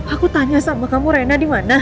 aku tanya sama kamu rena di mana